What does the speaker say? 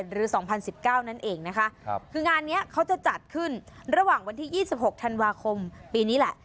หรือ๒๐๑๙นั่นเองนะคะคืองานนี้เขาจะจัดขึ้นระหว่างวันที่๒๖ธันวาคมปีนี้แหละ